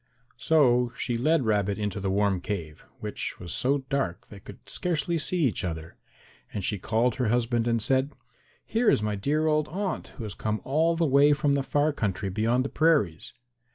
So she led Rabbit into the warm cave, which was so dark that they could scarcely see each other, and she called her husband and said, "Here is my dear old aunt who has come all the way from the far country beyond the prairies."